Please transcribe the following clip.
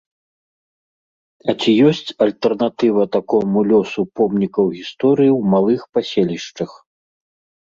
І ці ёсць альтэрнатыва такому лёсу помнікаў гісторыі ў малых паселішчах?